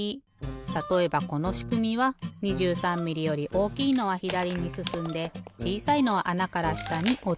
たとえばこのしくみは２３ミリより大きいのはひだりにすすんでちいさいのはあなからしたにおちる。